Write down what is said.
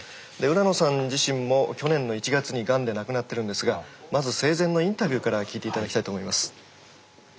浦野さん自身も去年の１月にガンで亡くなってるんですがまず生前のインタビューから聞いて頂きたいと思います。